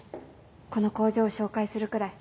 この工場を紹介するくらい。